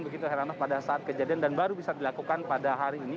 begitu heranov pada saat kejadian dan baru bisa dilakukan pada hari ini